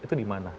itu di mana